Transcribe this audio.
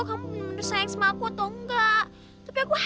kamu tuh bikin aku geer